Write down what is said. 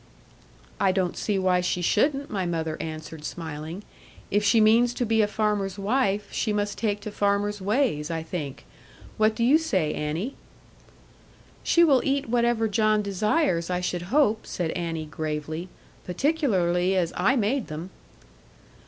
'I don't see why she shouldn't,' my mother answered smiling, 'if she means to be a farmer's wife, she must take to farmer's ways, I think. What do you say, Annie?' 'She will eat whatever John desires, I should hope,' said Annie gravely; 'particularly as I made them.'